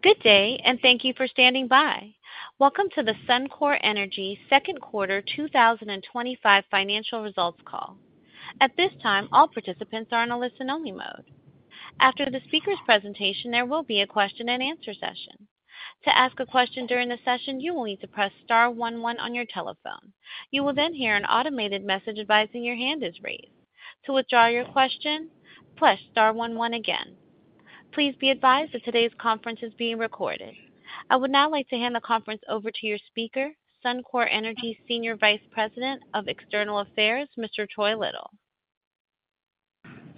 Good day, and thank you for standing by. Welcome to the Suncor Energy Q2 2025 Financial Results Call. At this time, all participants are in a listen-only mode. After the speaker's presentation, there will be a question and answer session. To ask a question during the session, you will need to press star one one on your telephone. You will then hear an automated message advising your hand is raised. To withdraw your question, press star one one again. Please be advised that today's conference is being recorded. I would now like to hand the conference over to your speaker, Suncor Energy Senior Vice President of External Affairs, Mr. Troy Little.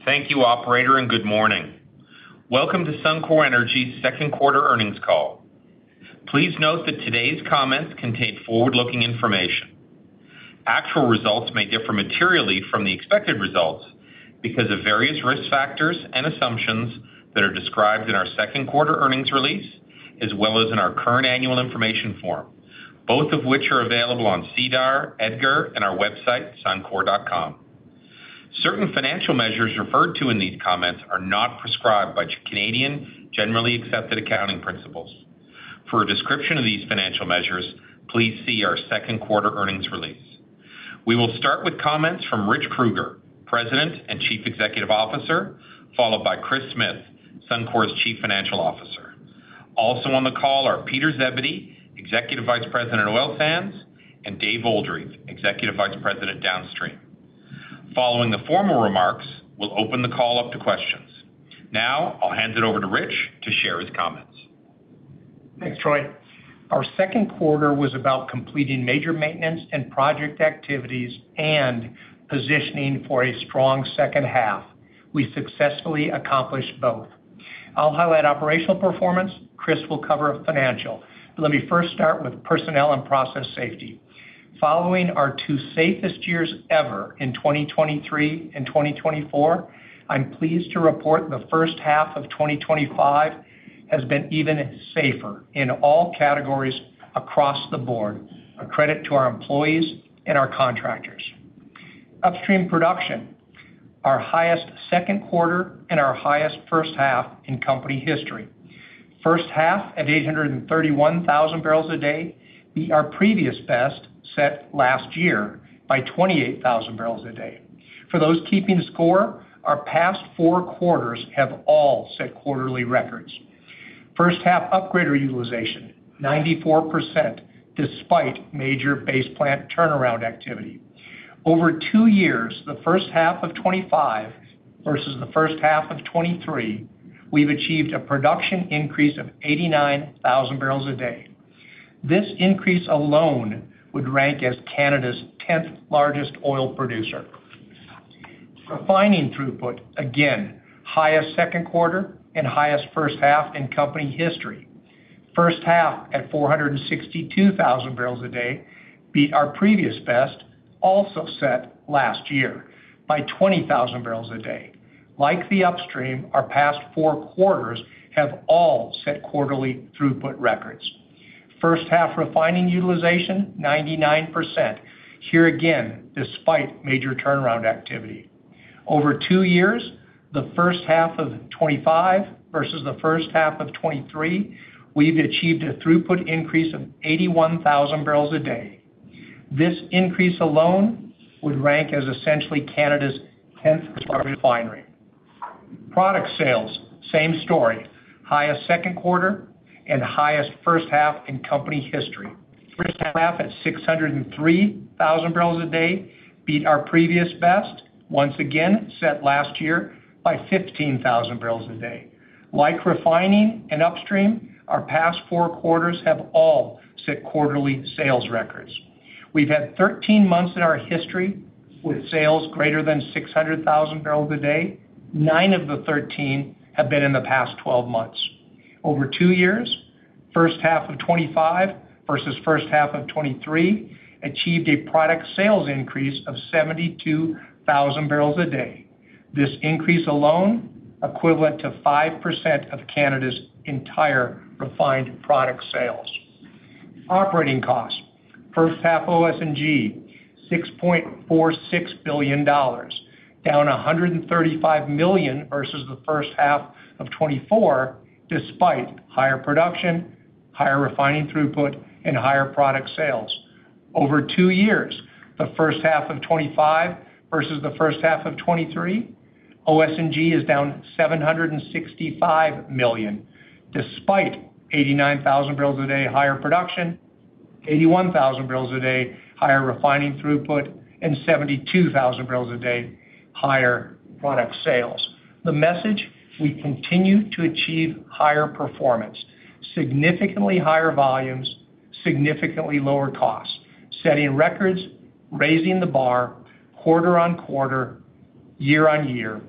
Thank you, operator, and good morning. Welcome to Suncor Energy's Q2 Earnings Call. Please note that today's comments contain forward-looking information. Actual results may differ materially from the expected results because of various risk factors and assumptions that are described in our Q2 Earnings Release, as well as in our current Annual Information Form, both of which are available on CDAR, EDGAR, and our website, suncor.com. Certain financial measures referred to in these comments are not prescribed by Canadian Generally Accepted Accounting Principles. For a description of these financial measures, please see our Q2 Earnings Release. We will start with comments from Rich Kruger, President and Chief Executive Officer, followed by Chris Smith, Suncor's Chief Financial Officer. Also on the call are Peter Zebedee, Executive Vice President in Oil Sands, and Dave Oldreive, Executive Vice President, Downstream. Following the formal remarks, we'll open the call up to questions. Now, I'll hand it over to Rich to share his comments. Thanks, Troy. Our second quarter was about completing major maintenance and project activities and positioning for a strong second half. We successfully accomplished both. I'll highlight operational performance. Khris will cover financial. Let me first start with personnel and process safety. Following our two safest years ever, in 2023 and 2024, I'm pleased to report the first half of 2025 has been even safer in all categories across the board. A credit to our employees and our contractors. Upstream production, our highest second quarter and our highest first half in company history. First half at 831,000 barrels a day, our previous best set last year by 28,000 barrels a day. For those keeping score, our past four quarters have all set quarterly records. First half, upgrader utilization, 94% despite major Base Plant turnaround activity. Over two years, the first half of 2025 versus the first half of 2023, we've achieved a production increase of 89,000 barrels a day. This increase alone would rank as Canada's 10th largest oil producer. Refining throughput, again, highest second quarter and highest first half in company history. First half at 462,000 barrels a day, our previous best also set last year by 20,000 barrels a day. Like the upstream, our past four quarters have all set quarterly throughput records. First half, refining utilization, 99%. Here again, despite major turnaround activity. Over two years, the first half of 2025 versus the first half of 2023, we've achieved a throughput increase of 81,000 barrels a day. This increase alone would rank as essentially Canada's 10th largest refinery. Product sales, same story, highest second quarter and highest first half in company history. First half at 603,000 barrels a day, our previous best once again set last year by 15,000 barrels a day. Like refining and upstream, our past four quarters have all set quarterly sales records. We've had 13 months in our history with sales greater than 600,000 barrels a day. Nine of the 13 have been in the past 12 months. Over two years, first half of 2025 versus first half of 2023 achieved a product sales increase of 72,000 barrels a day. This increase alone equivalent to 5% of Canada's entire refined product sales. Operating costs, first half OS&G, $6.46 billion, down $135 million versus the first half of 2024, despite higher production, higher refining throughput, and higher product sales. Over two years, the first half of 2025 versus the first half of 2023, OS&G is down $765 million, despite 89,000 barrels a day higher production, 81,000 barrels a day higher refining throughput, and 72,000 barrels a day higher product sales. The message: we continue to achieve higher performance, significantly higher volumes, significantly lower costs, setting records, raising the bar quarter-on-quarter, year-on-year,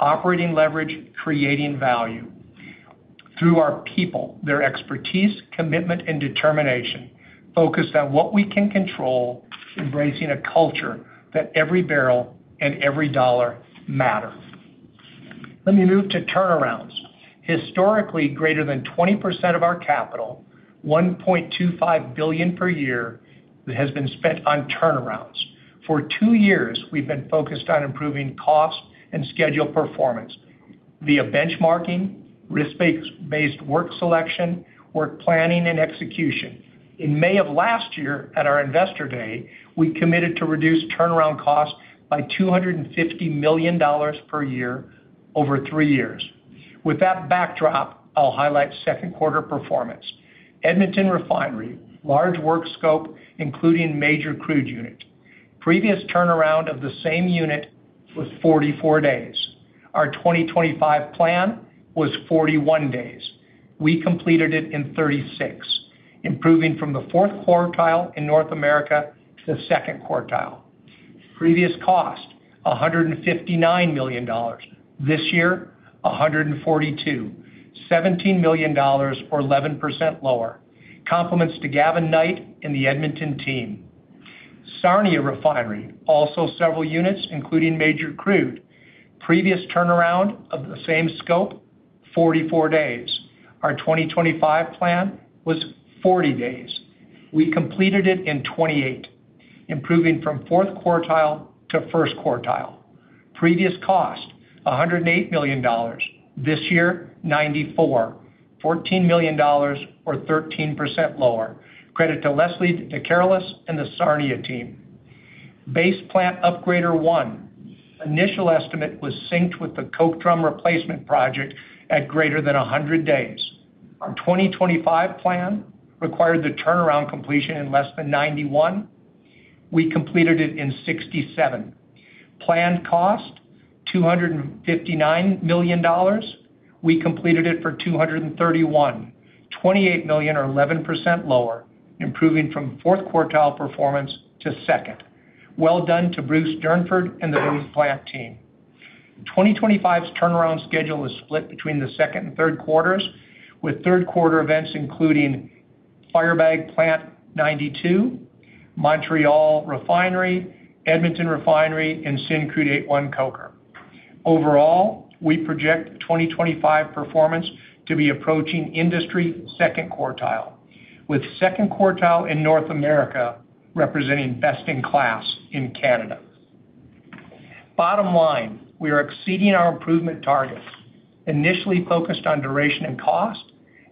operating leverage, creating value through our people, their expertise, commitment, and determination, focused on what we can control, embracing a culture that every barrel and every dollar matter. Let me move to turnarounds. Historically, greater than 20% of our capital, $1.25 billion per year, has been spent on turnarounds. For two years, we've been focused on improving cost and scheduled performance via benchmarking, risk-based work selection, work planning, and execution. In May of last year, at our Investor Day, we committed to reduce turnaround costs by $250 million per year over three years. With that backdrop, I'll highlight second quarter performance. Edmonton Refinery, large work scope, including major crude units. Previous turnaround of the same unit was 44 days. Our 2025 plan was 41 days. We completed it in 36, improving from the fourth quartile in North America to the second quartile. Previous cost, $159 million. This year, $142 million, $17 million, or 11% lower. Compliments to Gavin Knight and the Edmonton team. Sarnia Refinery, also several units, including major crude. Previous turnaround of the same scope, 44 days. Our 2025 plan was 40 days. We completed it in 28, improving from fourth quartile to first quartile. Previous cost, $108 million. This year, $94 million, $14 million, or 13% lower. Credit to Leslie DeCarli and the Sarnia team. Base Plant Upgrader One, initial estimate was synced with the Coke Drum Replacement project at greater than 100 days. Our 2025 plan required the turnaround completion in less than 91. We completed it in 67. Planned cost, $259 million. We completed it for $231 million, $28 million, or 11% lower, improving from fourth quartile performance to second. Well done to Bruce Dernford and the Vane Plant team. 2025's turnaround schedule is split between the second and third quarters, with third quarter events including Firebag Plant 92, Montreal Refinery, Edmonton Refinery, and Syncrude 8-1 Coker. Overall, we project 2025 performance to be approaching industry second quartile, with second quartile in North America representing best in class in Canada. Bottom line, we are exceeding our improvement targets. Initially focused on duration and cost,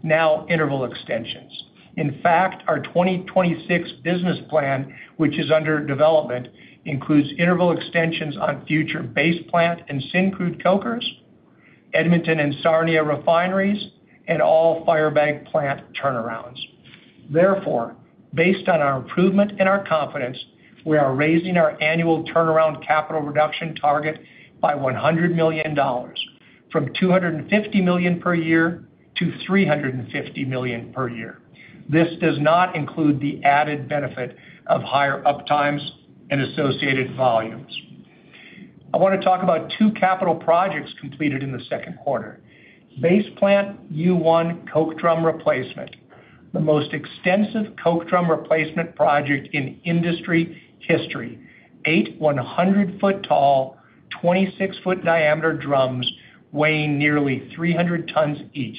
now interval extensions. In fact, our 2026 business plan, which is under development, includes interval extensions on future Base Plant and Syncrude cokers, Edmonton and Sarnia refineries, and all Firebag Plant turnarounds. Therefore, based on our improvement and our confidence, we are raising our annual turnaround capital reduction target by $100 million, from $250 million per year to $350 million per year. This does not include the added benefit of higher uptimes and associated volumes. I want to talk about two capital projects completed in the second quarter. Base Plant U-1 Coke Drum Replacement, the most extensive coke drum replacement project in industry history. Eight 100-foot tall, 26-foot diameter drums weighing nearly 300 tons each.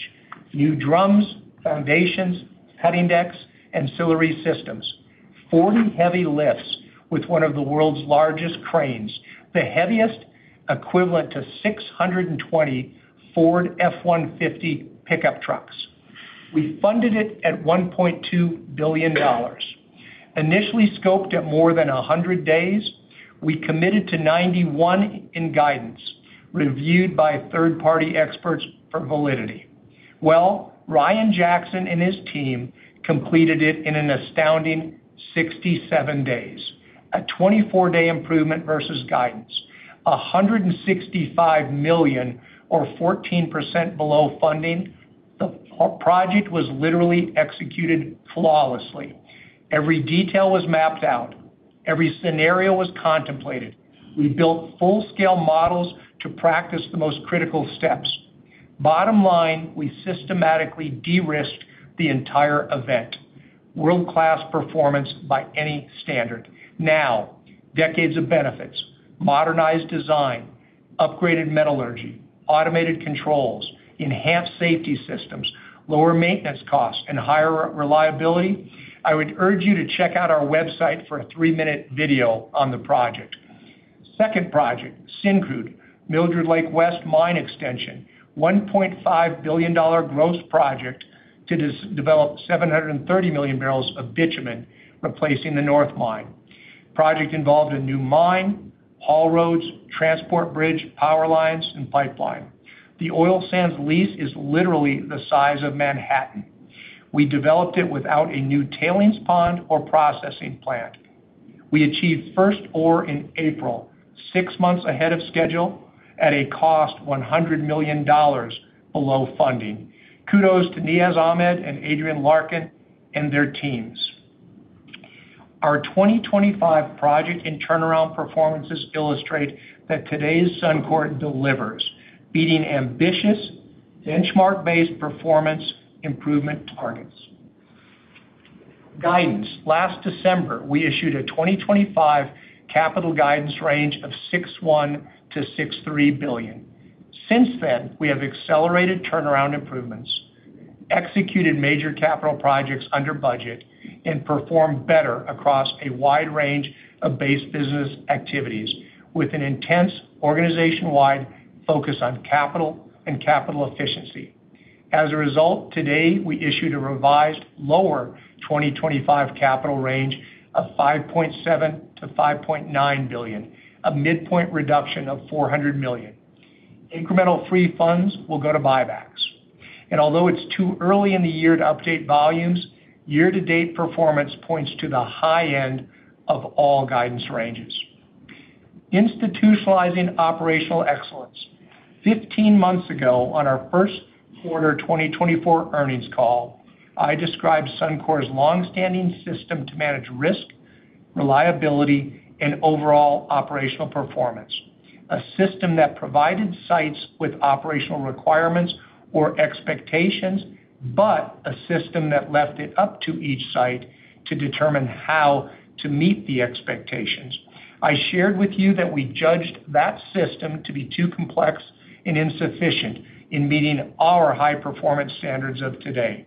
New drums, foundations, heading decks, and ancillary systems. 40 heavy lifts with one of the world's largest cranes, the heaviest equivalent to 620 Ford F-150 pickup trucks. We funded it at $1.2 billion. Initially scoped at more than 100 days, we committed to 91 in guidance, reviewed by third-party experts for validity. Well Ryan Jackson and his team completed it in an astounding 67 days, a 24-day improvement versus guidance. $165 million, or 14% below funding. The project was literally executed flawlessly. Every detail was mapped out. Every scenario was contemplated. We built full-scale models to practice the most critical steps. Bottom line, we systematically de-risked the entire event. World-class performance by any standard. Now, decades of benefits, modernized design, upgraded metallurgy, automated controls, enhanced safety systems, lower maintenance costs, and higher reliability. I would urge you to check out our website for a three-minute video on the project. Second project, Syncrude, Mildred Lake West Mine Extension, $1.5 billion gross project to develop 730 million barrels of bitumen, replacing the North Mine. Project involved a new mine, haul roads, transport bridge, power lines, and pipeline. The oil sands lease is literally the size of Manhattan. We developed it without a new tailings pond or processing plant. We achieved first ore in April, six months ahead of schedule, at a cost $100 million below funding. Kudos to Niaz Ahmed and Adrian Larkin and their teams. Our 2025 project and turnaround performances illustrate that today's Suncor Energy delivers, beating ambitious benchmark-based performance improvement targets. Guidance, last December, we issued a 2025 capital guidance range of $6.1 to $6.3 billion. Since then, we have accelerated turnaround improvements, executed major capital projects under budget, and performed better across a wide range of base business activities with an intense organization-wide focus on capital and capital efficiency. As a result, today we issued a revised lower 2025 capital range of $5.7 to $5.9 billion, a midpoint reduction of $400 million. Incremental free funds will go to buybacks. Although it's too early in the year to update volumes, year-to-date performance points to the high end of all guidance ranges. Institutionalizing operational excellence, 15 months ago, on our Q2 2024 Earnings Call, I described Suncor Energy's longstanding system to manage risk, reliability, and overall operational performance. A system that provided sites with operational requirements or expectations, but a system that left it up to each site to determine how to meet the expectations. I shared with you that we judged that system to be too complex and insufficient in meeting our high-performance standards of today.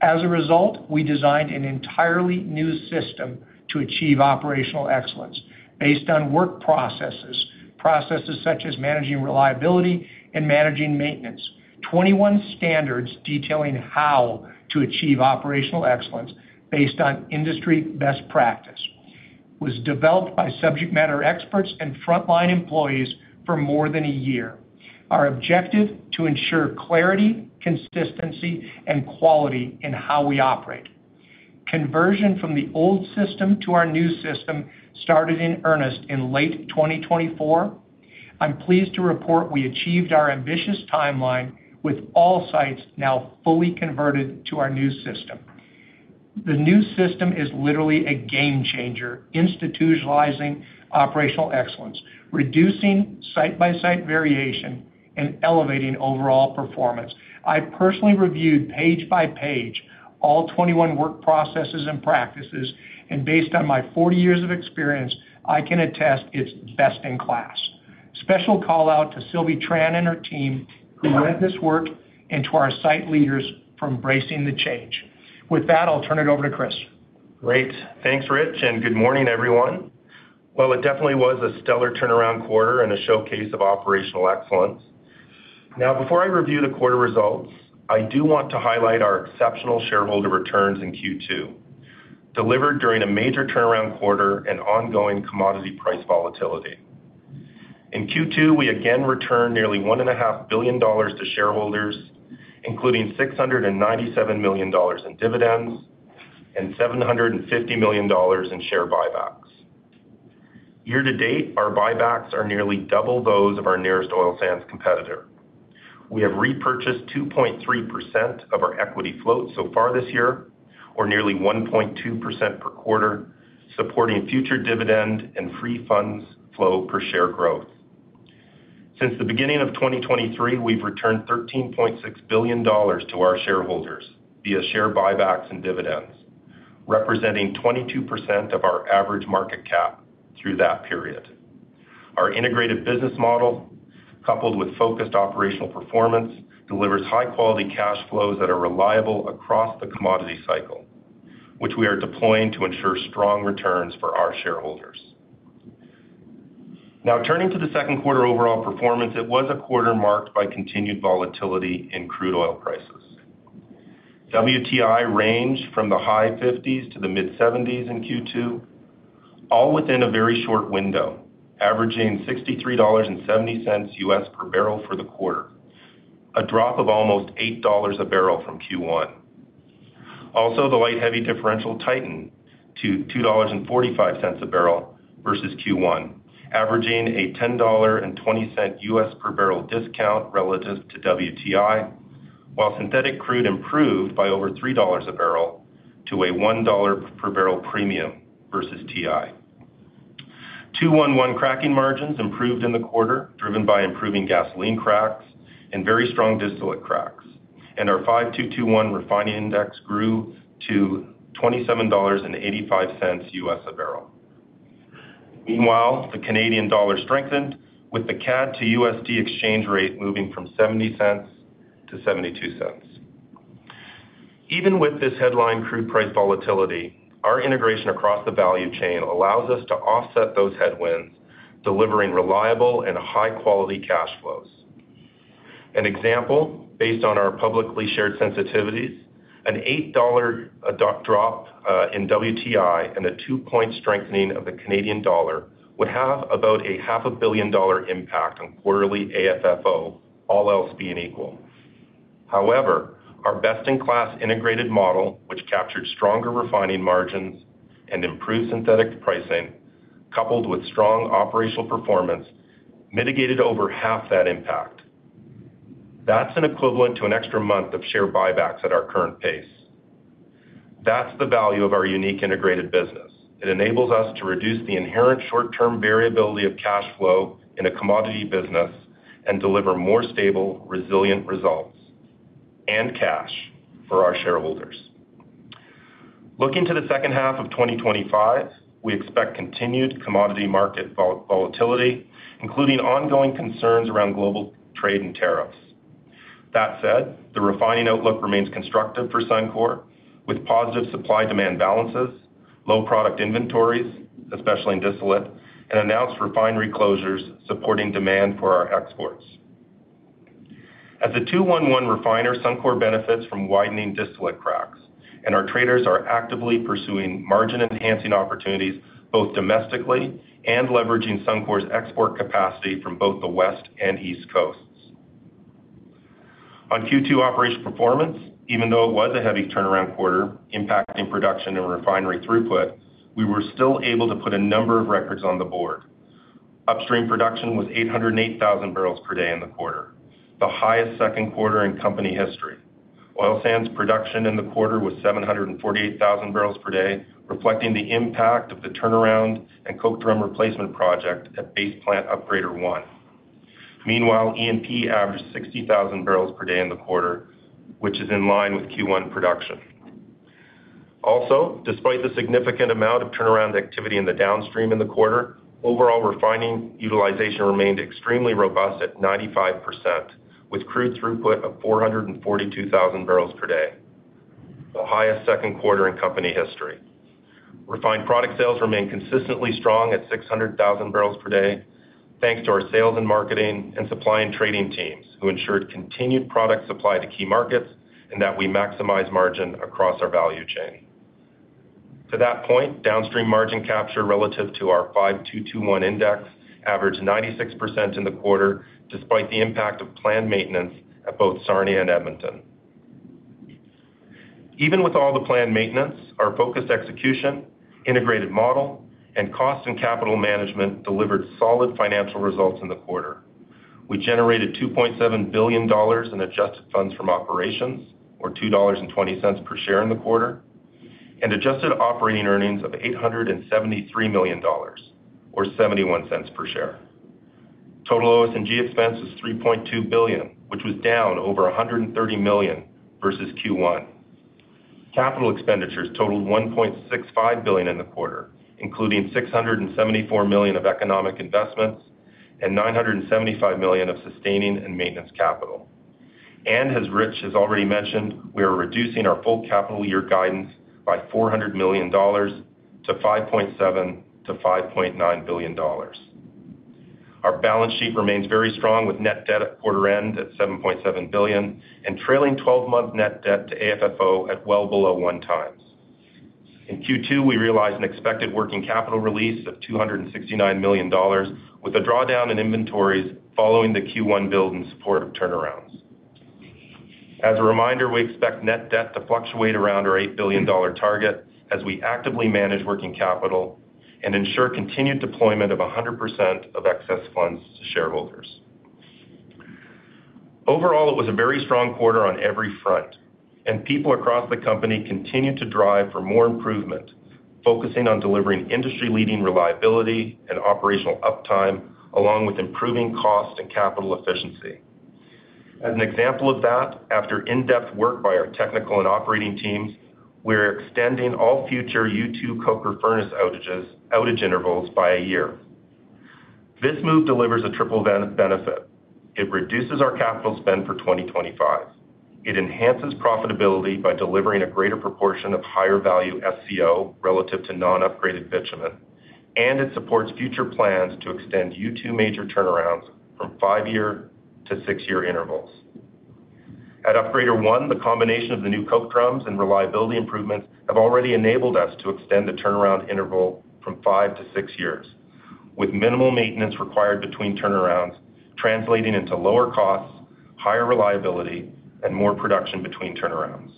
As a result, we designed an entirely new system to achieve operational excellence based on work processes, processes such as managing reliability and managing maintenance, 21 standards detailing how to achieve operational excellence based on industry best practice. It was developed by subject matter experts and frontline employees for more than a year. Our objective: to ensure clarity, consistency, and quality in how we operate. Conversion from the old system to our new system started in earnest in late 2024. I'm pleased to report we achieved our ambitious timeline with all sites now fully converted to our new system. The new system is literally a game changer, institutionalizing operational excellence, reducing site-by-site variation, and elevating overall performance. I personally reviewed page by page all 21 work processes and practices, and based on my 40 years of experience, I can attest it's best in class. Special call out to Sylvie Tran and her team who led this work and to our site leaders for embracing the change. With that, I'll turn it over to Kris. Great. Thanks, Rich, and good morning, everyone. It definitely was a stellar turnaround quarter and a showcase of operational excellence. Before I review the quarter results, I do want to highlight our exceptional shareholder returns in Q2, delivered during a major turnaround quarter and ongoing commodity price volatility. In Q2, we again returned nearly $1.5 billion to shareholders, including $697 million in dividends and $750 million in share buybacks. Year to date, our buybacks are nearly double those of our nearest oil sands competitor. We have repurchased 2.3% of our equity float so far this year, or nearly 1.2% per quarter, supporting future dividend and free funds flow per share growth. Since the beginning of 2023, we've returned $13.6 billion to our shareholders via share buybacks and dividends, representing 22% of our average market cap through that period. Our integrated business model, coupled with focused operational performance, delivers high-quality cash flows that are reliable across the commodity cycle, which we are deploying to ensure strong returns for our shareholders. Now, turning to the second quarter overall performance, it was a quarter marked by continued volatility in crude oil prices. WTI ranged from the high 50s to the mid 70s in Q2, all within a very short window, averaging $63.70 US per barrel for the quarter, a drop of almost $8 a barrel from Q1. Also, the light heavy differential tightened to $2.45 a barrel versus Q1, averaging a $10.20 US per barrel discount relative to WTI, while synthetic crude improved by over $3 a barrel to a $1 per barrel premium versus WTI. 211 cracking margins improved in the quarter, driven by improving gasoline cracks and very strong distillate cracks, and our 5221 refining index grew to $27.85 US a barrel. Meanwhile, the Canadian dollar strengthened with the CAD to USD exchange rate moving from $0.70-$0.72. Even with this headline crude price volatility, our integration across the value chain allows us to offset those headwinds, delivering reliable and high-quality cash flows. An example, based on our publicly shared sensitivities, an $8 drop in WTI and a two-point strengthening of the Canadian dollar would have about a half a billion dollar impact on quarterly AFFO, all else being equal. However, our best-in-class integrated model, which captured stronger refining margins and improved synthetic pricing, coupled with strong operational performance, mitigated over half that impact. That's an equivalent to an extra month of share buybacks at our current pace. That's the value of our unique integrated business. It enables us to reduce the inherent short-term variability of cash flow in a commodity business and deliver more stable, resilient results and cash for our shareholders. Looking to the second half of 2025, we expect continued commodity market volatility, including ongoing concerns around global trade and tariffs. That said, the refining outlook remains constructive for Suncor Energy, with positive supply-demand balances, low product inventories, especially in distillate, and announced refinery closures supporting demand for our exports. As a 2-1-1 refiner, Suncor Energy benefits from widening distillate cracks, and our traders are actively pursuing margin-enhancing opportunities both domestically and leveraging Suncor Energy's export capacity from both the West and East Coasts. On Q2 operational performance, even though it was a heavy turnaround quarter, impacting production and refinery throughput, we were still able to put a number of records on the board. Upstream production was 808,000 barrels per day in the quarter, the highest second quarter in company history. Oil sands production in the quarter was 748,000 barrels per day, reflecting the impact of the turnaround and Base Plant U-1 Coke Drum Replacement project at Base Plant Upgrader one. Meanwhile, E&P averaged 60,000 barrels per day in the quarter, which is in line with Q1 production. Also, despite the significant amount of turnaround activity in the downstream in the quarter, overall refining utilization remained extremely robust at 95%, with crude throughput of 442,000 barrels per day, the highest second quarter in company history. Refined product sales remain consistently strong at 600,000 barrels per day, thanks to our sales and marketing and supply and trading teams who ensured continued product supply to key markets and that we maximize margin across our value chain. To that point, downstream margin capture relative to our 5-2-2-1 index averaged 96% in the quarter, despite the impact of planned maintenance at both Sarnia and Edmonton. Even with all the planned maintenance, our focused execution, integrated model, and cost and capital management delivered solid financial results in the quarter. We generated $2.7 billion in adjusted funds from operations, or $2.20 per share in the quarter, and adjusted operating earnings of $873 million, or $0.71 per share. Total OS&G expense was $3.2 billion, which was down over $130 million versus Q1. Capital expenditures totaled $1.65 billion in the quarter, including $674 million of economic investments and $975 million of sustaining and maintenance capital. As Rich has already mentioned, we are reducing our full capital year guidance by $400 million to $5.7 to $5.9 billion. Our balance sheet remains very strong with net debt at quarter end at $7.7 billion and trailing 12-month net debt to AFFO at well below one times. In Q2, we realized an expected working capital release of $269 million, with a drawdown in inventories following the Q1 build in support of turnarounds. As a reminder, we expect net debt to fluctuate around our $8 billion target as we actively manage working capital and ensure continued deployment of 100% of excess funds to shareholders. Overall, it was a very strong quarter on every front, and people across the company continue to drive for more improvement, focusing on delivering industry-leading reliability and operational uptime, along with improving cost and capital efficiency. As an example of that, after in-depth work by our technical and operating teams, we are extending all future U2 Coker furnace outage intervals by a year. This move delivers a triple benefit. It reduces our capital spend for 2025. It enhances profitability by delivering a greater proportion of higher value SCO relative to non-upgraded bitumen, and it supports future plans to extend U2 major turnarounds from five-year to six-year intervals. At Upgrader 1, the combination of the new Coke drums and reliability improvements have already enabled us to extend the turnaround interval from five to six years, with minimal maintenance required between turnarounds translating into lower costs, higher reliability, and more production between turnarounds.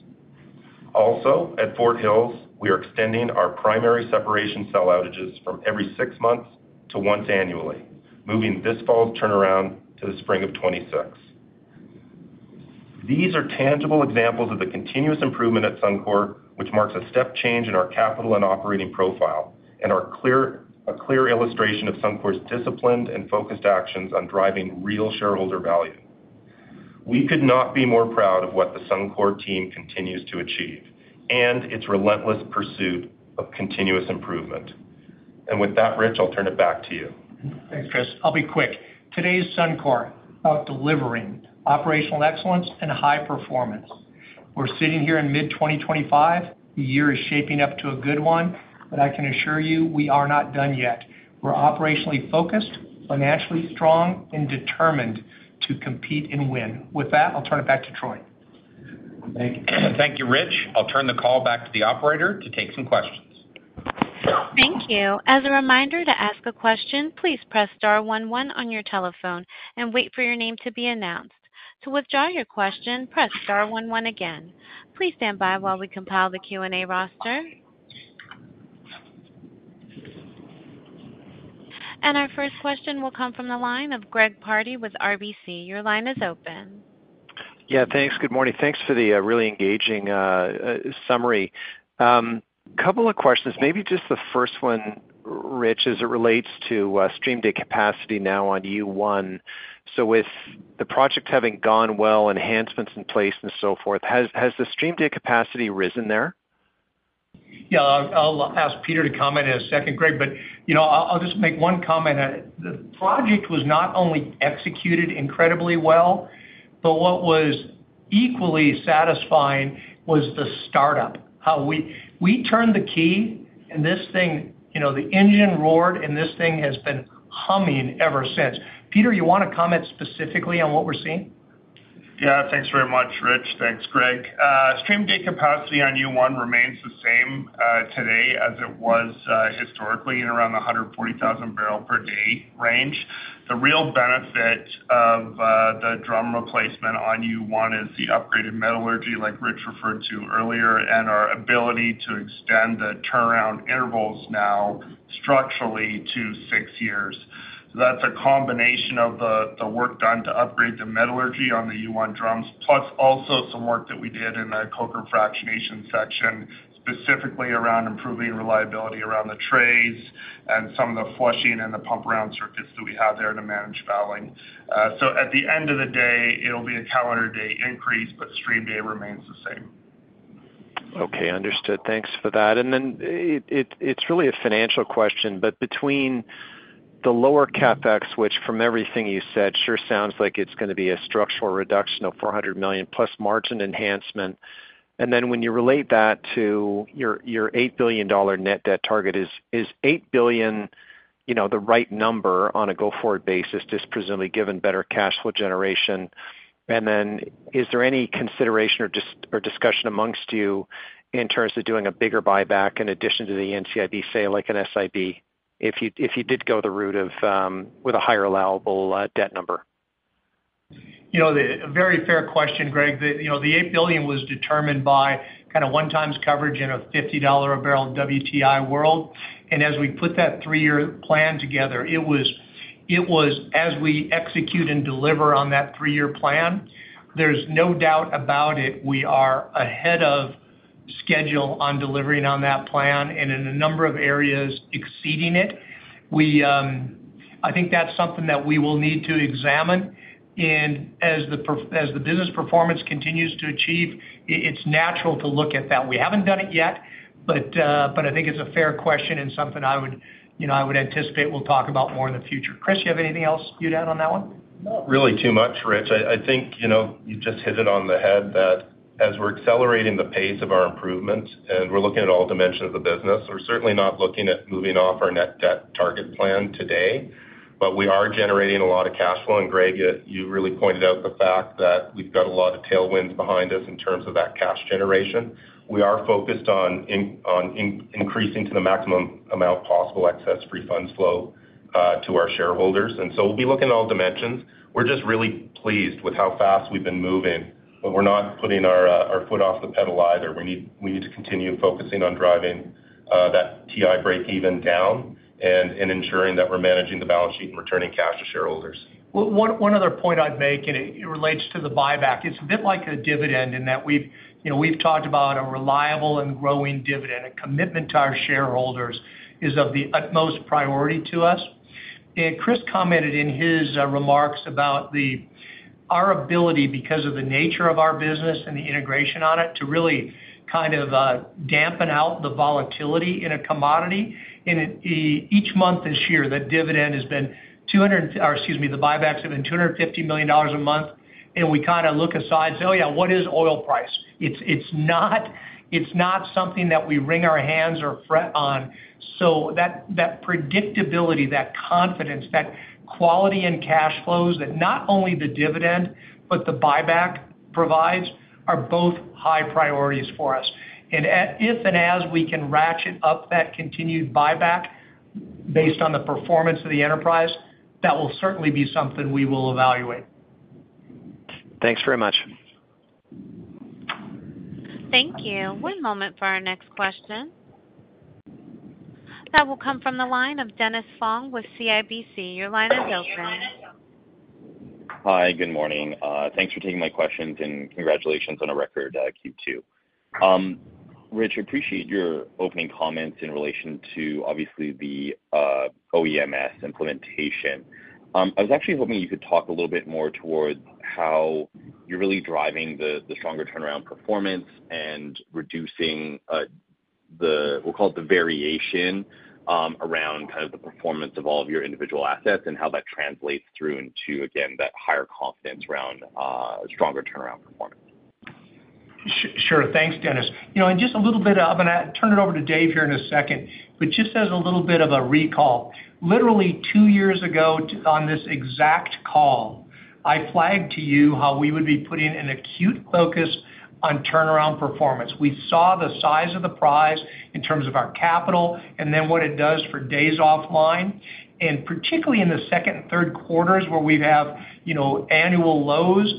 Also, at Ford Hill we are extending our primary separation cell outages from every six months to once annually, moving this fall's turnaround to the spring of 2026. These are tangible examples of the continuous improvement at Suncor Energy, which marks a step change in our capital and operating profile and a clear illustration of Suncor Energy's disciplined and focused actions on driving real shareholder value. We could not be more proud of what the Suncor Energy team continues to achieve and its relentless pursuit of continuous improvement. With that, Rich, I'll turn it back to you. Thanks, Kris. I'll be quick. Today's Suncor Energy is about delivering operational excellence and high performance. We're sitting here in mid-2025. The year is shaping up to a good one, and I can assure you we are not done yet. We're operationally focused, financially strong, and determined to compete and win. With that, I'll turn it back to Troy. Thank you, Rich. I'll turn the call back to the operator to take some questions. Thank you. As a reminder, to ask a question, please press star one one on your telephone and wait for your name to be announced. To withdraw your question, press star one one again. Please stand by while we compile the Q&A roster. Our first question will come from the line of Greg Pardy with RBC Capital Markets. Your line is open. Yeah, thanks. Good morning. Thanks for the really engaging summary. A couple of questions, maybe just the first one, Rich, as it relates to stream day capacity now on U-1. So with the project having gone well, enhancements in place and so forth, has the stream day capacity risen there? Yeah, I'll ask Peter to comment in a second, Greg, but you know I'll just make one comment. The project was not only executed incredibly well, but what was equally satisfying was the startup. We turned the key, and this thing, you know, the engine roared, and this thing has been humming ever since. Peter, you want to comment specifically on what we're seeing? Yeah, thanks very much, Rich. Thanks, Greg. Stream day capacity on U-1 remains the same today as it was historically in around the 140,000 barrel per day range. The real benefit of the drum replacement on U-1 is the upgraded metallurgy, like Rich referred to earlier, and our ability to extend the turnaround intervals now structurally to six years. That's a combination of the work done to upgrade the metallurgy on the U-1 drums, plus also some work that we did in the Coker fractionation section, specifically around improving reliability around the trays and some of the flushing and the pump round circuits that we have there to manage fouling. At the end of the day, it'll be a calendar day increase, but stream day remains the same. Okay, understood. Thanks for that. It's really a financial question, but between the lower CapEx, which from everything you said sure sounds like it's going to be a structural reduction of $400 million plus margin enhancement, when you relate that to your $8 billion net debt target, is $8 billion the right number on a go-forward basis, just presumably given better cash flow generation? And then is there any consideration or discussion amongst you in terms of doing a bigger buyback in addition to the NCIB sale, like an SIB, if you did go the route of with a higher allowable debt number? You know, a very fair question, Greg. The $8 billion was determined by kind of one-time coverage in a $50 a barrel WTI world. As we put that three-year plan together, it was as we execute and deliver on that three-year plan, there's no doubt about it. We are ahead of schedule on delivering on that plan and in a number of areas exceeding it. I think that's something that we will need to examine. As the business performance continues to achieve, it's natural to look at that. We haven't done it yet, but I think it's a fair question and something I would anticipate we'll talk about more in the future. Kris, do you have anything else you'd add on that one? Really too much, Rich. I think you just hit it on the head that as we're accelerating the pace of our improvement and we're looking at all dimensions of the business, we're certainly not looking at moving off our net debt target plan today, but we are generating a lot of cash flow. Greg, you really pointed out the fact that we've got a lot of tailwinds behind us in terms of that cash generation. We are focused on increasing to the maximum amount possible excess free funds flow to our shareholders. We'll be looking at all dimensions. We're just really pleased with how fast we've been moving, but we're not putting our foot off the pedal either. We need to continue focusing on driving that TI break even down and ensuring that we're managing the balance sheet and returning cash to shareholders. One other point I'd make, and it relates to the buyback, it's a bit like a dividend in that we've talked about a reliable and growing dividend. A commitment to our shareholders is of the utmost priority to us. Kris commented in his remarks about our ability, because of the nature of our business and the integration on it, to really kind of dampen out the volatility in a commodity. Each month this year, the dividend has been, or excuse me, the buybacks have been $250 million a month. We kind of look aside and say, oh yeah, what is oil price? It's not something that we wring our hands or fret on. That predictability, that confidence, that quality in cash flows that not only the dividend but the buyback provides are both high priorities for us. If and as we can ratchet up that continued buyback based on the performance of the enterprise, that will certainly be something we will evaluate. Thanks very much. Thank you. One moment for our next question. That will come from the line of Dennis Fong with CIBC. Your line is open. Hi, good morning. Thanks for taking my questions and congratulations on a record Q2. Rich, I appreciate your opening comments in relation to obviously the OEMs implementation. I was actually hoping you could talk a little bit more towards how you're really driving the stronger turnaround performance and reducing the, we'll call it the variation around kind of the performance of all of your individual assets and how that translates through into, again, that higher confidence around stronger turnaround performance. Sure, thanks, Dennis. You know, just a little bit, I'm going to turn it over to Dave here in a second, but just as a little bit of a recall, literally two years ago on this exact call, I flagged to you how we would be putting an acute focus on turnaround performance. We saw the size of the prize in terms of our capital and then what it does for days offline, particularly in the second and third quarters where we have annual lows.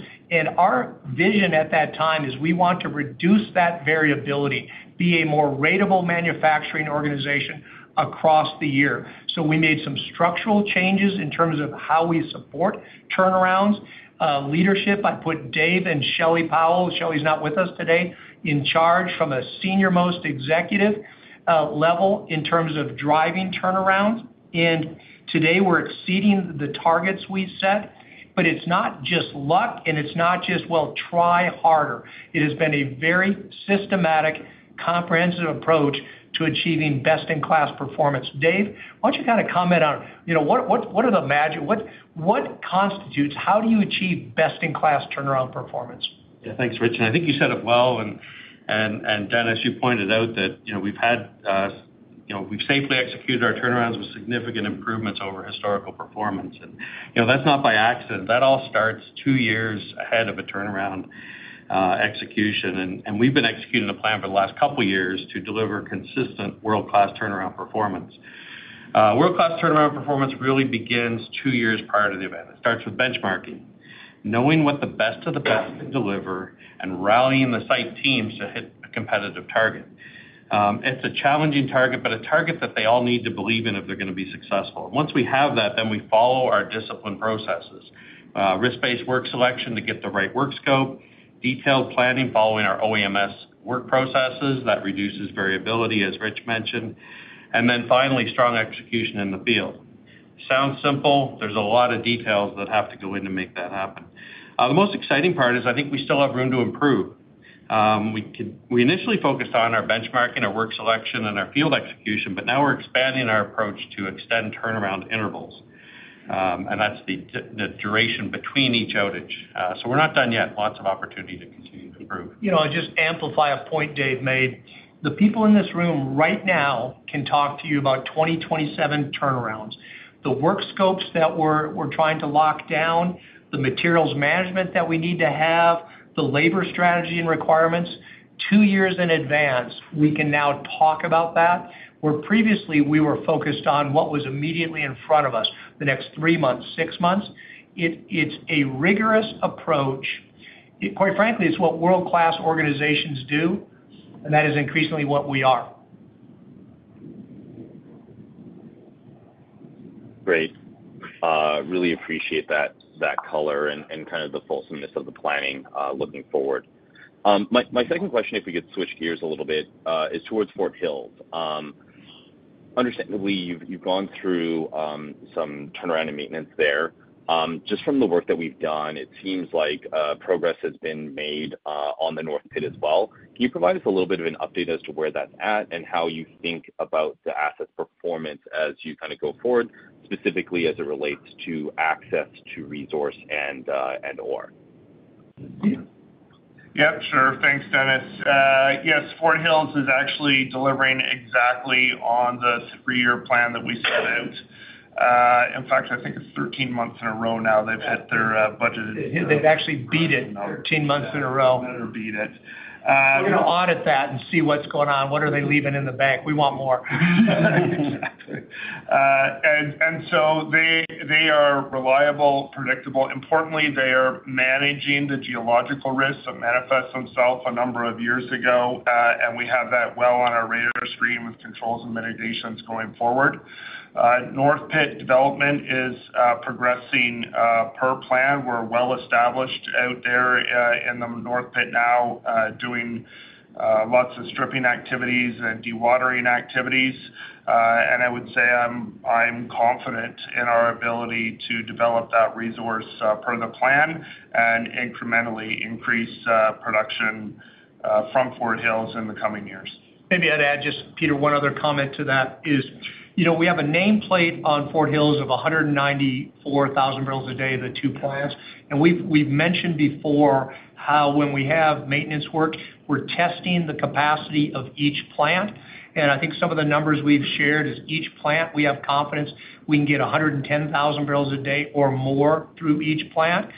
Our vision at that time is we want to reduce that variability, be a more ratable manufacturing organization across the year. We made some structural changes in terms of how we support turnarounds. Leadership, I put Dave and Shelley Powell. Shelley's not with us today in charge from a senior-most executive level in terms of driving turnarounds. Today we're exceeding the targets we set, but it's not just luck and it's not just try harder. It has been a very systematic, comprehensive approach to achieving best-in-class performance. Dave, why don't you comment on what are the magic, what constitutes, how do you achieve best-in-class turnaround performance? Yeah, thanks, Rich. I think you said it well. Dennis, you pointed out that we've safely executed our turnarounds with significant improvements over historical performance. That's not by accident. That all starts two years ahead of a turnaround execution. We've been executing the plan for the last couple of years to deliver consistent world-class turnaround performance. World-class turnaround performance really begins two years prior to the event. It starts with benchmarking, knowing what the best of the best can deliver, and rallying the site teams to hit a competitive target. It's a challenging target, but a target that they all need to believe in if they're going to be successful. Once we have that, we follow our discipline processes, risk-based work selection to get the right work scope, detailed planning following our OEMS work processes that reduce variability, as Rich mentioned, and then finally, strong execution in the field. It sounds simple. There are a lot of details that have to go in and make that happen. The most exciting part is I think we still have room to improve. We initially focused on our benchmarking, our work selection, and our field execution, but now we're expanding our approach to extend turnaround intervals. That's the duration between each outage. We're not done yet. Lots of opportunity to continue to improve. You know I'll just amplify a point Dave made. The people in this room right now can talk to you about 2027 turnarounds, the work scopes that we're trying to lock down, the materials management that we need to have, the labor strategy and requirements. Two years in advance, we can now talk about that, where previously we were focused on what was immediately in front of us, the next three months, six months. It's a rigorous approach. Quite frankly, it's what world-class organizations do, and that is increasingly what we are. Great. Really appreciate that color and the fullness of the planning looking forward. My second question, if we could switch gears a little bit, is towards Fort Hills. Understandably, you've gone through some turnaround and maintenance there. Just from the work that we've done, it seems like progress has been made on the North Pit as well. Can you provide us a little bit of an update as to where that's at and how you think about the asset performance as you go forward, specifically as it relates to access to resource and/or? Yeah, sure. Thanks, Dennis. Yes, Fort Hills is actually delivering exactly on the three-year plan that we set out. In fact, I think it's 13 months in a row now they've hit their budget. They've actually beat it. Thirteen months in a row. They're going to beat it. Audit that and see what's going on. What are they leaving in the bank? We want more. Exactly. And so they are reliable, predictable. Importantly, they are managing the geological risks that manifest themselves a number of years ago. We have that well on our radar screen with controls and mitigations going forward. North Pit development is progressing per plan. We're well established out there in the North Pit now, doing lots of stripping activities and dewatering activities. I would say I'm confident in our ability to develop that resource per the plan and incrementally increase production from Fort Hills in the coming years. Maybe I'd add just, Peter, one other comment to that is, you know, we have a nameplate on Fort Hills of 194,000 barrels a day, the two plants. We've mentioned before how when we have maintenance work, we're testing the capacity of each plant. I think some of the numbers we've shared is each plant, we have confidence we can get 110,000 barrels a day or more through each plant.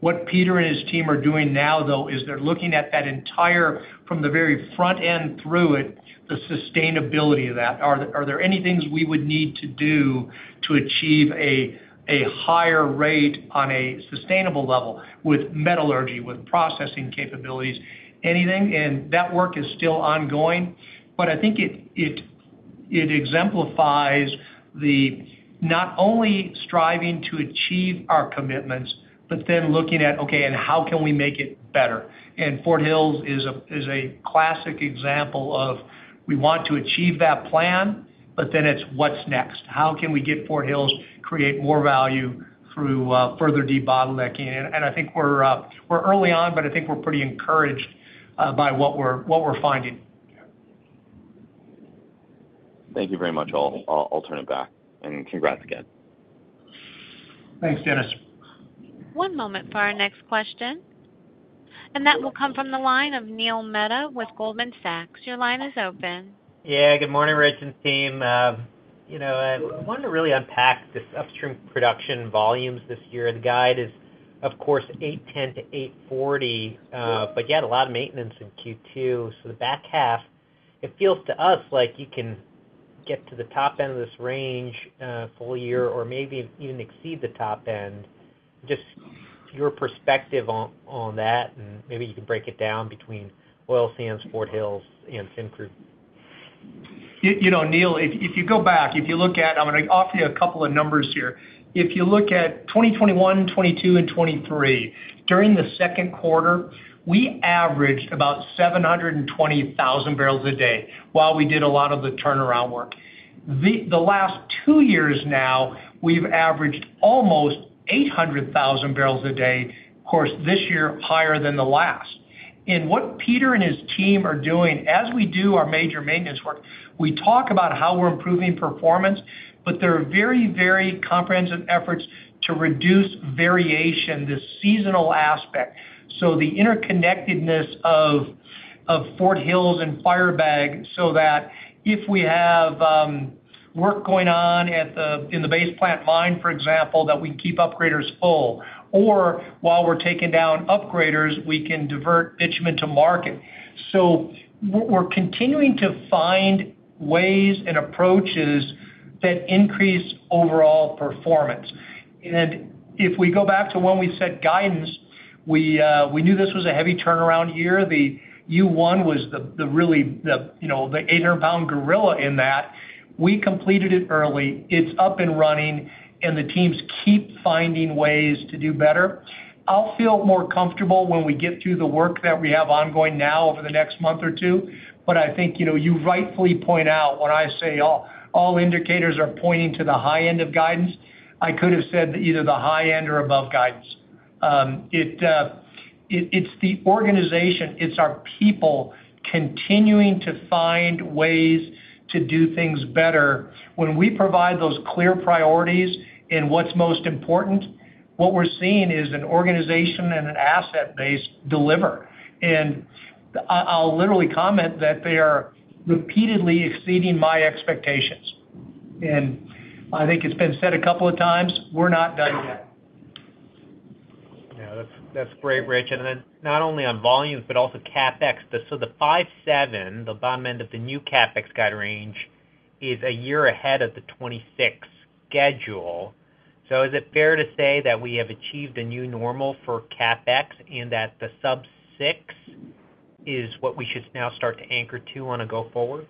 What Peter and his team are doing now, though, is they're looking at that entire, from the very front end through it, the sustainability of that. Are there any things we would need to do to achieve a higher rate on a sustainable level with metallurgy, with processing capabilities? Anything? That work is still ongoing. I think it exemplifies not only striving to achieve our commitments, but then looking at, okay, and how can we make it better? Fort Hills is a classic example of we want to achieve that plan, but then it's what's next? How can we get Fort Hills to create more value through further de-bottlenecking? I think we're early on, but I think we're pretty encouraged by what we're finding. Thank you very much. I'll turn it back, and congrats again. Thanks, Dennis. One moment for our next question. That will come from the line of Neil Mehta with Goldman Sachs. Your line is open. Yeah, good morning, Rich and team. I wanted to really unpack this upstream production volumes this year. The guide is, of course, 810-840, but you had a lot of maintenance in Q2. The back half, it feels to us like you can get to the top end of this range full year or maybe even exceed the top end. Just your perspective on that, and maybe you can break it down between oil sands, Fort Hills, and Syncrude. You know, Neil, if you go back, if you look at, I'm going to offer you a couple of numbers here. If you look at 2021, 2022, and 2023, during the second quarter, we averaged about 720,000 barrels a day while we did a lot of the turnaround work. The last two years now, we've averaged almost 800,000 barrels a day. Of course, this year higher than the last. What Peter and his team are doing, as we do our major maintenance work, we talk about how we're improving performance, but there are very, very comprehensive efforts to reduce variation, the seasonal aspect. The interconnectedness of Fort Hills and Firebag means that if we have work going on in the Base Plant mine, for example, we can keep upgraders full, or while we're taking down upgraders, we can divert bitumen to market. We're continuing to find ways and approaches that increase overall performance. If we go back to when we set guidance, we knew this was a heavy turnaround year. The U-1 was the really, you know, the antebellum gorilla in that. We completed it early. It's up and running, and the teams keep finding ways to do better. I'll feel more comfortable when we get through the work that we have ongoing now over the next month or two. I think, you know, you rightfully point out when I say all indicators are pointing to the high end of guidance, I could have said that either the high end or above guidance. It's the organization, it's our people continuing to find ways to do things better. When we provide those clear priorities and what's most important, what we're seeing is an organization and an asset base deliver. I'll literally comment that they are repeatedly exceeding my expectations. I think it's been said a couple of times, we're not done yet. No, that's great, Rich. Not only on volumes, but also CapEx. The $5.7 billion, the bottom end of the new CapEx guide range, is a year ahead of the 2026 schedule. Is it fair to say that we have achieved a new normal for CapEx and that the sub-$6 billion is what we should now start to anchor to on a go-forward?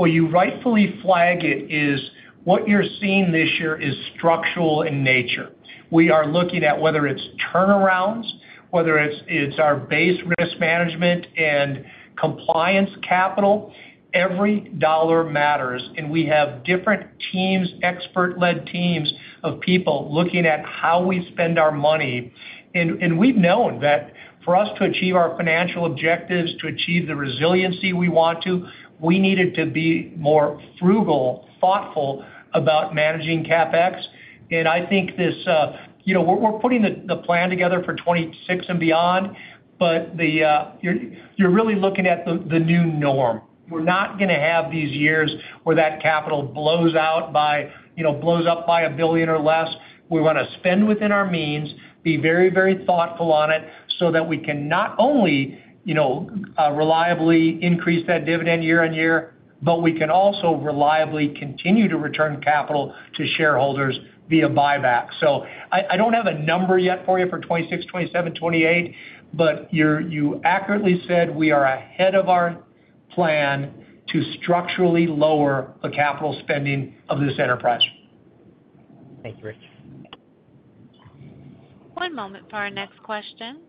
You rightfully flag it as what you're seeing this year is structural in nature. We are looking at whether it's turnarounds, whether it's our base risk management and compliance capital, every dollar matters. We have different teams, expert-led teams of people looking at how we spend our money. We've known that for us to achieve our financial objectives, to achieve the resiliency we want to, we needed to be more frugal, thoughtful about managing CapEx. I think this, you know, we're putting the plan together for 2026 and beyond, but you're really looking at the new norm. We're not going to have these years where that capital blows out by, you know, blows up by $1 billion or less. We want to spend within our means, be very, very thoughtful on it so that we can not only, you know, reliably increase that dividend year on year, but we can also reliably continue to return capital to shareholders via buybacks. I don't have a number yet for you for 2026, 2027, 2028, but you accurately said we are ahead of our plan to structurally lower the capital spending of this enterprise. Thank you, Rich. One moment for our next question.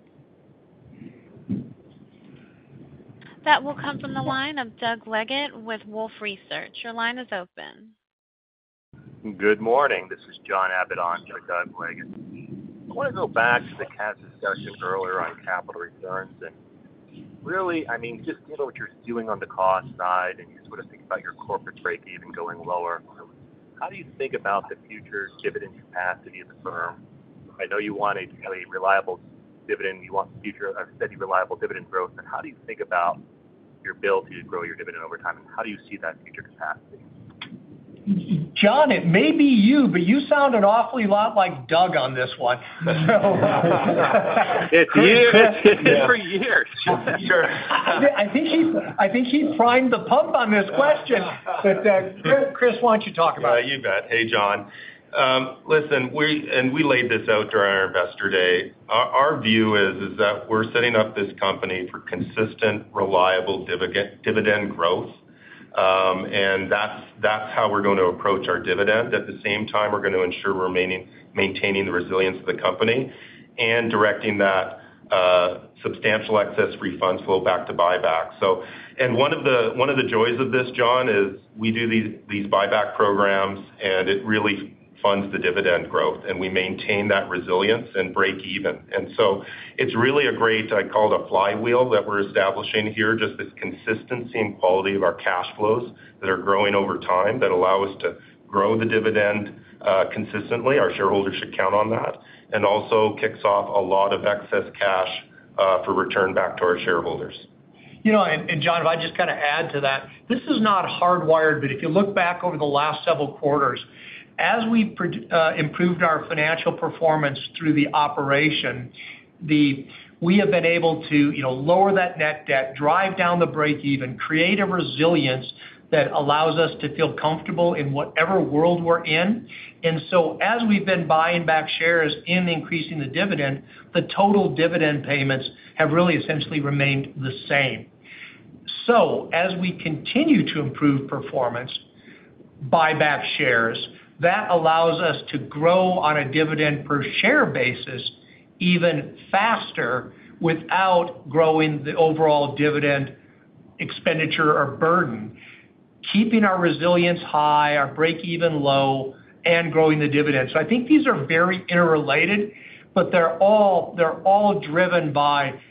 That will come from the line of Doug Leggett with Wolf Research. Your line is open. Good morning. This is John Abbott on Doug Leggett. I want to go back to the kind of discussions earlier on capital returns. I mean, just given what you're doing on the cost side and you sort of think about your corporate break even going lower, how do you think about the future dividend capacity of the firm? I know you want to have a reliable dividend. You want future steady, reliable dividend growth. How do you think about your ability to grow your dividend over time? How do you see that in future capacity? John, it may be you, but you sound an awful lot like Doug on this one. It's you for years. I think she's primed the pump on this question. Kris, why don't you talk about it? You bet. Hey, John. Listen, we laid this out during our Investor Day. Our view is that we're setting up this company for consistent, reliable dividend growth. That's how we're going to approach our dividend. At the same time, we're going to ensure we're maintaining the resilience of the company and directing that substantial excess refund flow back to buybacks. One of the joys of this, John, is we do these buyback programs and it really funds the dividend growth. We maintain that resilience and break even. It's really a great, I call it a flywheel that we're establishing here, just this consistency and quality of our cash flows that are growing over time that allow us to grow the dividend consistently. Our shareholders should count on that. It also kicks off a lot of excess cash for return back to our shareholders. You know, if I just kind of add to that, this is not hardwired, but if you look back over the last several quarters, as we improved our financial performance through the operation, we have been able to lower that net debt, drive down the break even, create a resilience that allows us to feel comfortable in whatever world we're in. As we've been buying back shares and increasing the dividend, the total dividend payments have really essentially remained the same. As we continue to improve performance, buy back shares, that allows us to grow on a dividend per share basis even faster without growing the overall dividend expenditure or burden, keeping our resilience high, our break even low, and growing the dividend. I think these are very interrelated, but they're all driven by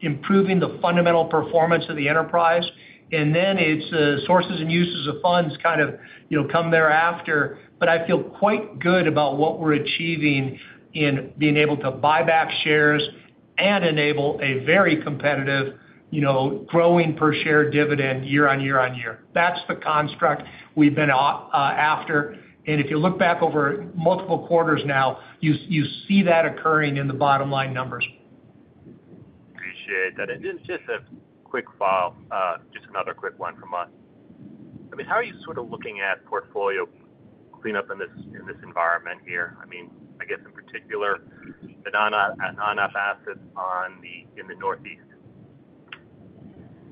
improving the fundamental performance of the enterprise. It's sources and uses of funds kind of come thereafter. I feel quite good about what we're achieving in being able to buy back shares and enable a very competitive, you know, growing per share dividend year on year on year. That's the construct we've been after. If you look back over multiple quarters now, you see that occurring in the bottom line numbers. Appreciate that. Just a quick follow-up, just another quick one from us. How are you sort of looking at portfolio cleanup in this environment here? I guess in particular, the non-op assets in the Northeast,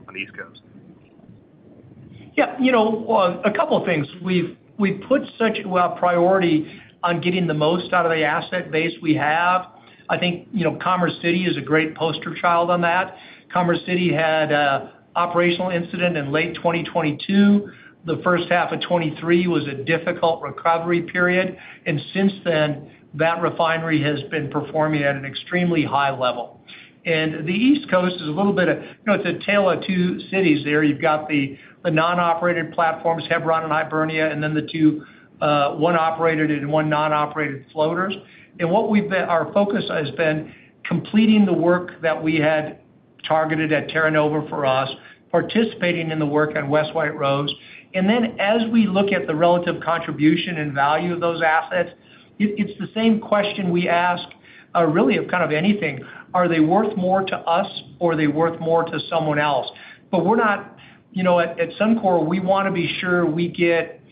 on the East Coast. Yeah, you know, a couple of things. We've put such a priority on getting the most out of the asset base we have. I think, you know, Commerce City is a great poster child on that. Commerce City had an operational incident in late 2022. The first half of 2023 was a difficult recovery period. Since then, that refinery has been performing at an extremely high level. The East Coast is a little bit of, you know, it's a tale of two cities there. You've got the non-operated platforms, Hebron and Hibernia, and then the two, one-operated and one non-operated floaters. What our focus has been is completing the work that we had targeted at Terranova for us, participating in the work on West White Rose. As we look at the relative contribution and value of those assets, it's the same question we ask, really, of kind of anything. Are they worth more to us or are they worth more to someone else? At Suncor Energy, we want to be sure we get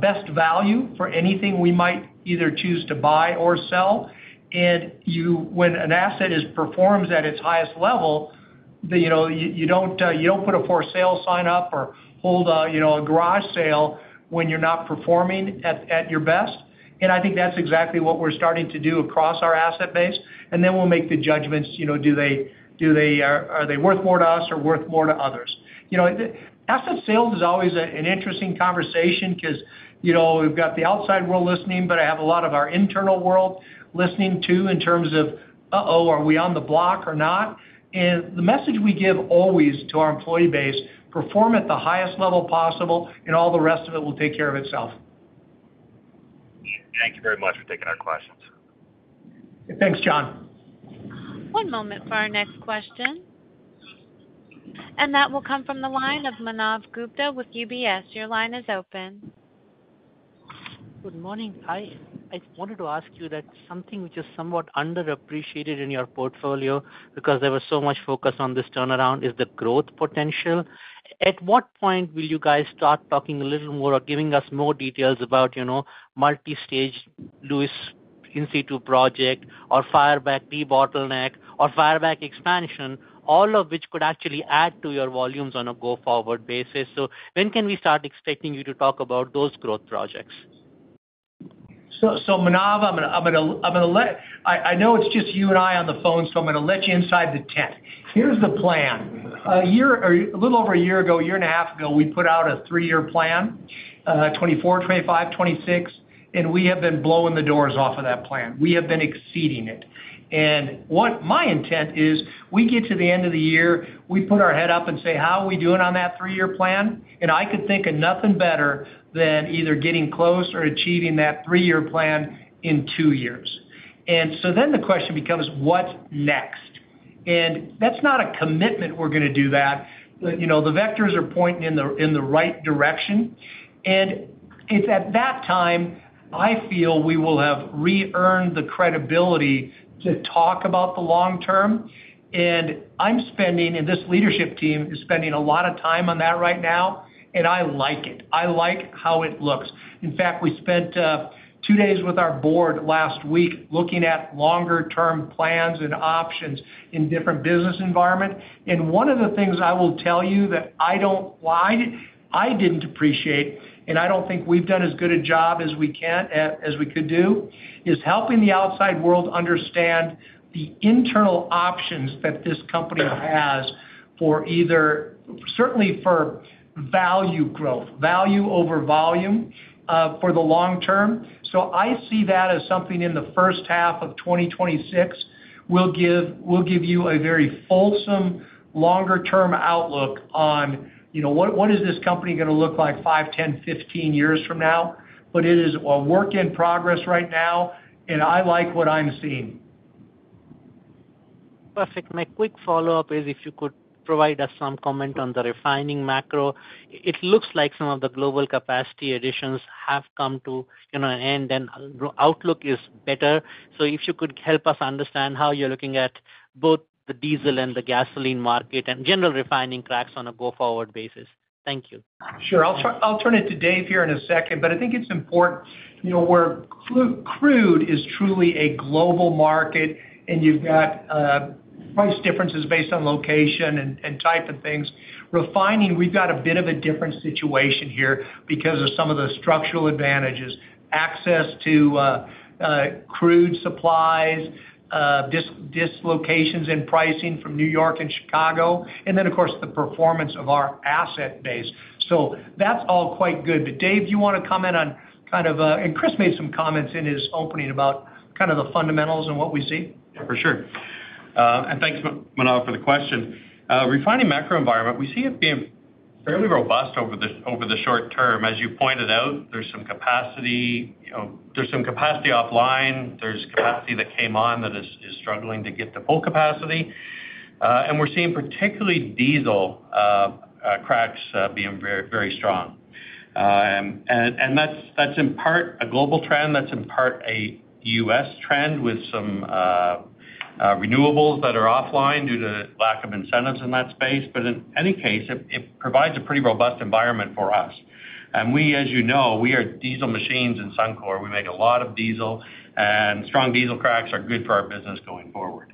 best value for anything we might either choose to buy or sell. When an asset performs at its highest level, you don't put a for sale sign up or hold a garage sale when you're not performing at your best. I think that's exactly what we're starting to do across our asset base. We'll make the judgments, you know, do they, are they worth more to us or worth more to others? Asset sales is always an interesting conversation because, you know, we've got the outside world listening, but I have a lot of our internal world listening too in terms of, oh, are we on the block or not? The message we give always to our employee base, perform at the highest level possible and all the rest of it will take care of itself. Thank you very much for taking our questions. Thanks, John. One moment for our next question. That will come from the line of Manav Gupta with UBS. Your line is open. Good morning. Hi. I wanted to ask you that something which is somewhat underappreciated in your portfolio because there was so much focus on this turnaround is the growth potential. At what point will you guys start talking a little more or giving us more details about, you know, multi-stage Lewis in situ project or Firebag de-bottleneck or Firebag expansion, all of which could actually add to your volumes on a go-forward basis? When can we start expecting you to talk about those growth projects? Manav, I'm going to let you inside the tent. Here's the plan. A little over a year ago, a year and a half ago, we put out a three-year plan, 2024, 2025, 2026, and we have been blowing the doors off of that plan. We have been exceeding it. What my intent is, we get to the end of the year, we put our head up and say, how are we doing on that three-year plan? I could think of nothing better than either getting close or achieving that three-year plan in two years. And so then the question becomes, what's next? That's not a commitment we're going to do that. The vectors are pointing in the right direction. It's at that time I feel we will have re-earned the credibility to talk about the long term. I'm spending, and this leadership team is spending, a lot of time on that right now, and I like it. I like how it looks. In fact, we spent two days with our board last week looking at longer-term plans and options in different business environments. One of the things I will tell you that I didn't appreciate, and I don't think we've done as good a job as we could do, is helping the outside world understand the internal options that this company has for either, certainly for value growth, value over volume for the long term. I see that as something in the first half of 2026 will give you a very fulsome, longer-term outlook on what is this company going to look like five, 10, 15 years from now. It is a work in progress right now, and I like what I'm seeing. Perfect. My quick follow-up is if you could provide us some comment on the refining macro. It looks like some of the global capacity additions have come to an end, and outlook is better. If you could help us understand how you're looking at both the diesel and the gasoline market and general refining cracks on a go-forward basis. Thank you. Sure. I'll turn it to Dave here in a second, but I think it's important, you know, where crude is truly a global market and you've got price differences based on location and type of things. Refining, we've got a bit of a different situation here because of some of the structural advantages, access to crude supplies, dislocations in pricing from New York and Chicago, and, of course, the performance of our asset base. That's all quite good. Dave, you want to comment on kind of, and Kris made some comments in his opening about kind of the fundamentals and what we see? Yeah, for sure. Thanks, Manav, for the question. Refining macro environment, we see it being fairly robust over the short term. As you pointed out, there's some capacity, you know, there's some capacity offline. There's capacity that came on that is struggling to get to full capacity. We're seeing particularly diesel cracks being very, very strong. That's in part a global trend. That's in part a U.S. trend with some renewables that are offline due to lack of incentives in that space. In any case, it provides a pretty robust environment for us. And we as you know, we are diesel machines in Suncor. We make a lot of diesel, and strong diesel cracks are good for our business going forward.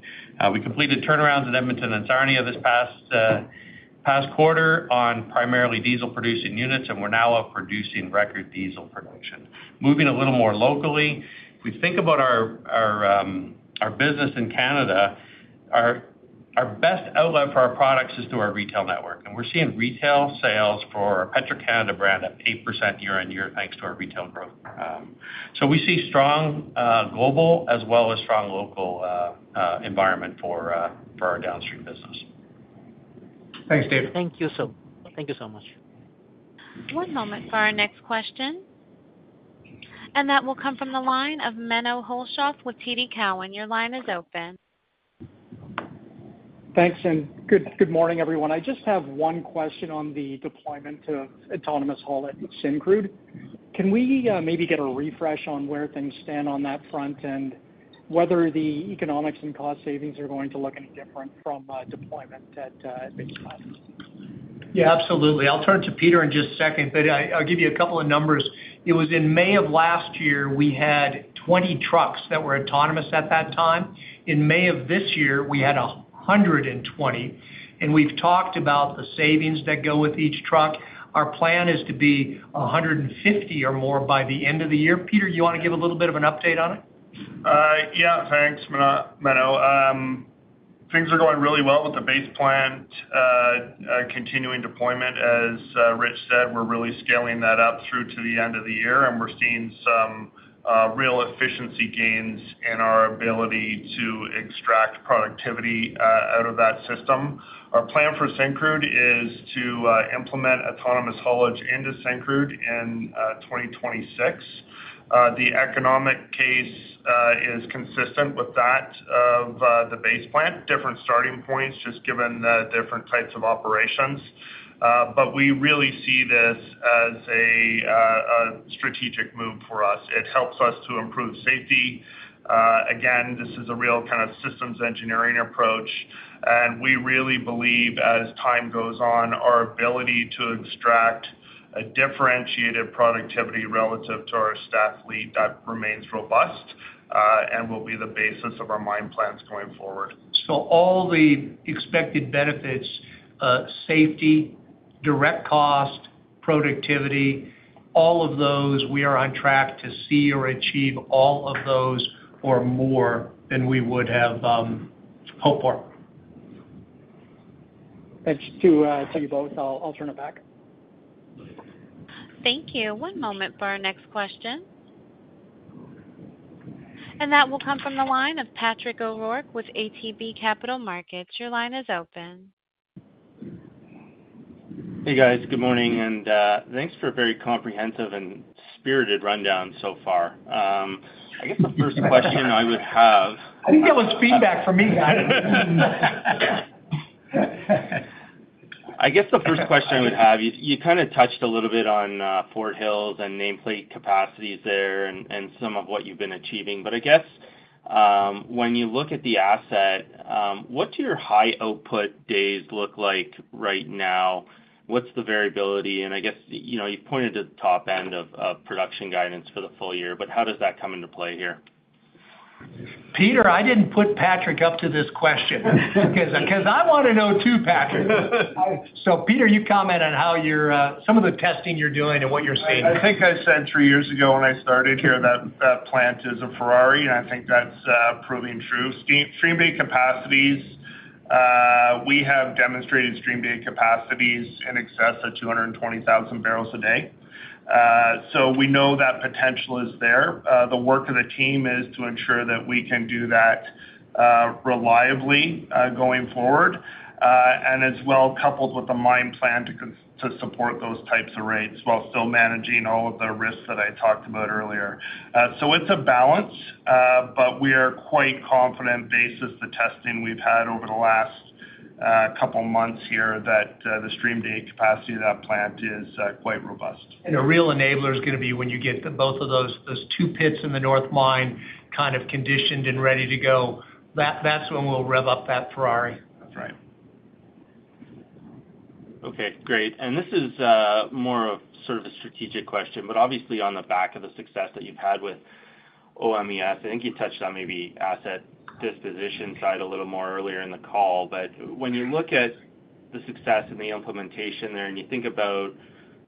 We completed turnarounds at Edmonton and Sarnia this past quarter on primarily diesel-producing units, and we're now producing record diesel production. Moving a little more locally, we think about our business in Canada. Our best outlet for our products is through our retail network. We're seeing retail sales for Petro Canada brand up 8% year-on-year thanks to our retail growth. We see strong global as well as strong local environment for our downstream business. Thanks, Dave. Thank you so much. One moment for our next question. That will come from the line of Menno Hulshof with TD Securities. Your line is open. Thanks. Good morning, everyone. I just have one question on the deployment to autonomous haul at Syncrude. Can we maybe get a refresh on where things stand on that front and whether the economics and cost savings are going to look any different from deployment at Base Plant? Yeah, absolutely. I'll turn it to Peter in just a second, but I'll give you a couple of numbers. It was in May of last year we had 20 trucks that were autonomous at that time. In May of this year, we had 120. We've talked about the savings that go with each truck. Our plan is to be 150 or more by the end of the year. Peter, you want to give a little bit of an update on it? Yeah, thanks, Menno. Things are going really well with the Base Plant continuing deployment. As Rich said, we're really scaling that up through to the end of the year, and we're seeing some real efficiency gains in our ability to extract productivity out of that system. Our plan for Syncrude is to implement autonomous haulage into Syncrude in 2026. The economic case is consistent with that of the Base Plant, different starting points just given the different types of operations. We really see this as a strategic move for us. It helps us to improve safety. Again this is a real kind of systems engineering approach. We really believe, as time goes on, our ability to extract a differentiated productivity relative to our staff fleet that remains robust and will be the basis of our mine plans going forward. So all the expected benefits, safety, direct cost, productivity, all of those, we are on track to see or achieve all of those or more than we would have hoped for. Thanks to you both. I'll turn it back. Thank you. One moment for our next question. That will come from the line of Patrick O'Rourke with ATB Capital Markets. Your line is open. Hey guys, good morning, and thanks for a very comprehensive and spirited rundown so far. I guess the first question I would have. We get feedback from me, guys. I guess the first question I would have, you kind of touched a little bit on Fort Hills and nameplate capacities there and some of what you've been achieving. When you look at the asset, what do your high output days look like right now? What's the variability? You pointed to the top end of production guidance for the full year, but how does that come into play here? Peter, I didn't put Patrick up to this question because I want to know too, Patrick. Peter, you comment on how some of the testing you're doing and what you're saving. I think I said three years ago when I started here that that plant is a Ferrari, and I think that's proving true. Stream day capacities, we have demonstrated stream day capacities in excess of 220,000 barrels a day. We know that potential is there. The work of the team is to ensure that we can do that reliably going forward, coupled with a mine plan to support those types of rates while still managing all of the risks that I talked about earlier. It's a balance, but we are quite confident, based on the testing we've had over the last couple of months here, that the stream day capacity of that plant is quite robust. A real enabler is going to be when you get both of those two pits in the north mine kind of conditioned and ready to go. That's when we'll rev up that Ferrari. Tat's right. Okay, great. This is more of a sort of a strategic question, obviously on the back of the success that you've had with OEMs. I think you touched on maybe asset disposition side a little more earlier in the call. When you look at the success and the implementation there, and you think about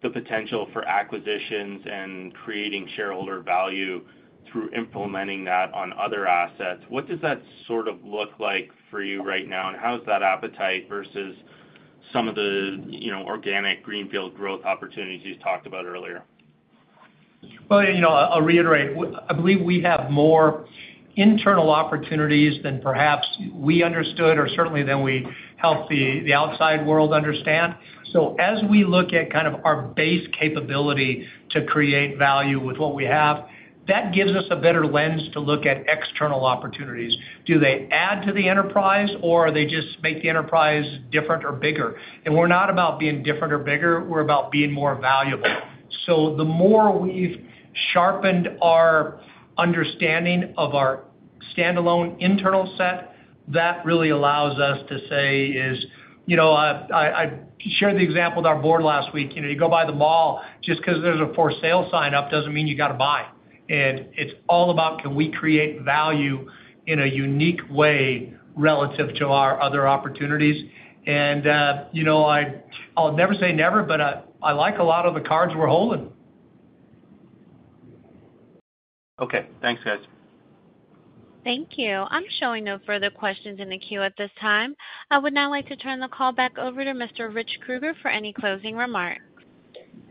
the potential for acquisitions and creating shareholder value through implementing that on other assets, what does that sort of look like for you right now? How is that appetite versus some of the, you know, organic greenfield growth opportunities you talked about earlier? Well yeah I’ll reiterate. I believe we have more internal opportunities than perhaps we understood, or certainly than we helped the outside world understand. As we look at our base capability to create value with what we have, that gives us a better lens to look at external opportunities. Do they add to the enterprise, or do they just make the enterprise different or bigger? We're not about being different or bigger. We're about being more valuable. The more we've sharpened our understanding of our standalone internal set, that really allows us to say, I shared the example with our board last week. You go by the mall, just because there's a for sale sign up doesn't mean you got to buy. It's all about can we create value in a unique way relative to our other opportunities. And I'll never say never, but I like a lot of the cards we're holding. Okay, thanks, guys. Thank you. I'm showing no further questions in the queue at this time. I would now like to turn the call back over to Mr. Rich Kruger for any closing remarks.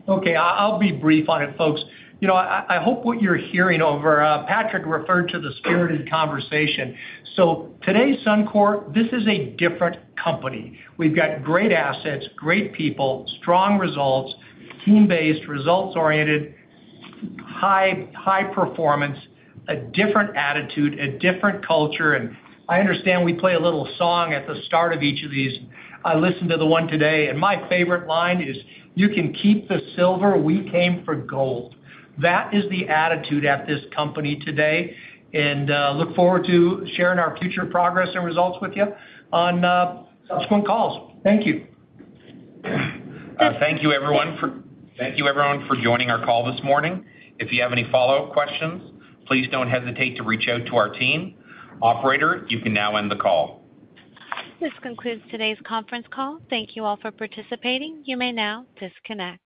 Okay, I'll be brief on it, folks. I hope what you're hearing over Patrick referred to the security conversation. Today's Suncor Energy, this is a different company. We've got great assets, great people, strong results, team-based, results-oriented, high performance, a different attitude, a different culture. I understand we play a little song at the start of each of these. I listened to the one today, and my favorite line is, "You can keep the silver, we came for gold." That is the attitude at this company today. I look forward to sharing our future progress and results with you on the calls. Thank you. Thank you, everyone, for joining our call this morning. If you have any follow-up questions, please don't hesitate to reach out to our team. Operator, you can now end the call. This concludes today's conference call. Thank you all for participating. You may now disconnect.